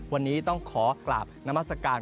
วันนี้ต้องขอกลับน้ำมาสการ